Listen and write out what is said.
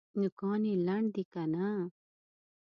نوکان یې لنډ دي که نه؟